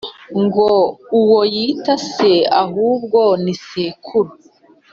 ngo uwo yita se, ahubwo ni sekuru.